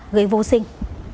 gây vô sinh